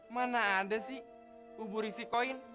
mana ada sih bubur isi koin